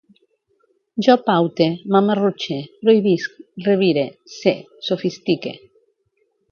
Jo paute, mamarrutxe, prohibisc, revire, sé, sofistique